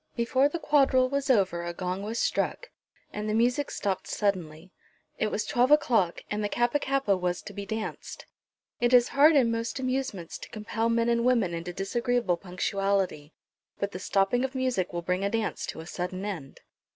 Before the quadrille was over a gong was struck, and the music stopped suddenly. It was twelve o'clock, and the Kappa kappa was to be danced. It is hard in most amusements to compel men and women into disagreeable punctuality; but the stopping of music will bring a dance to a sudden end.